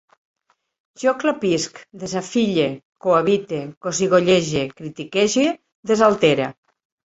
Jo clapisc, desafille, cohabite, cossigollege, critiquege, desaltere